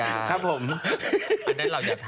อันเป็นหลังที